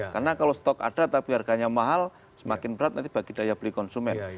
karena kalau stok ada tapi harganya mahal semakin berat nanti bagi daya beli konsumen